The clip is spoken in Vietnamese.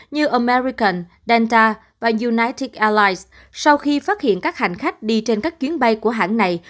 như american delta và unitic airlines sau khi phát hiện các hành khách đi trên các chuyến bay của hãng này